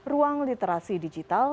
ruang literasi digital